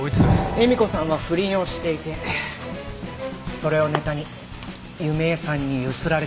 恵美子さんは不倫をしていてそれをネタに弓江さんにゆすられていました。